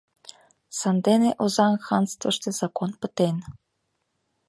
Сандене Озаҥ ханствыште закон пытен.